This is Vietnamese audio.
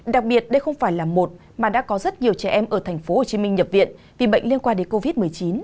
đặc biệt đây không phải là một mà đã có rất nhiều trẻ em ở tp hcm nhập viện vì bệnh liên quan đến covid một mươi chín